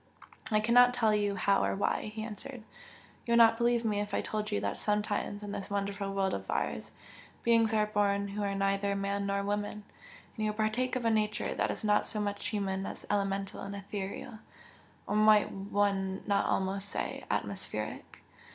"I cannot tell you how or why" he answered "You would not believe me if I told you that sometimes in this wonderful world of ours, beings are born who are neither man nor woman, and who partake of a nature that is not so much human as elemental and ethereal or might one not almost say, atmospheric?